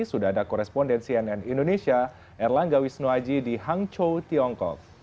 sudah ada koresponden cnn indonesia erlangga wisnuaji di hangzhou tiongkok